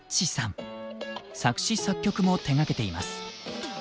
作詞・作曲も手がけています。